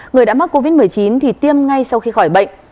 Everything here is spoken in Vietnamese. người đã mắc covid một mươi chín thì tiêm ngay sau khi khỏi bệnh